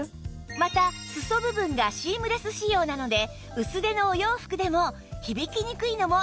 また裾部分がシームレス仕様なので薄手のお洋服でも響きにくいのも嬉しい特徴です